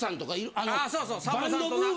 ああそうそうさんまさんとな。